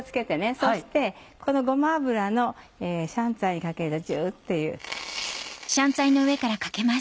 そしてこのごま油を香菜にかけるとジュっていう。